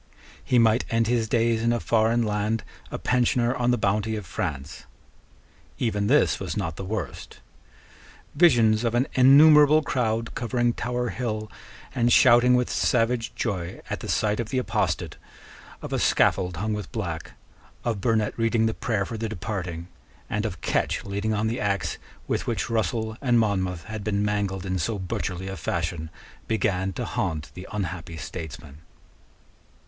He might end his days in a foreign land a pensioner on the bounty of France. Even this was not the worst. Visions of an innumerable crowd covering Tower Hill and shouting with savage joy at the sight of the apostate, of a scaffold hung with black, of Burnet reading the prayer for the departing, and of Ketch leaning on the axe with which Russell and Monmouth had been mangled in so butcherly a fashion, began to haunt the unhappy statesman.